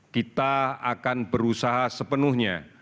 kita akan berusaha sepenuhnya